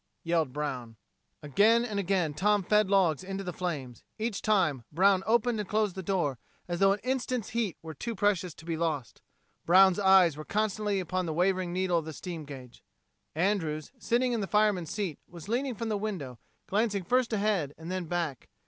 yelled Brown. Again and again Tom fed logs into the flames. Each time, Brown opened and closed the door as though an instant's heat were too precious to be lost. Brown's eyes were constantly upon the wavering needle of the steam gauge. Andrews, sitting in the fireman's seat, was leaning from the window, glancing first ahead and then back.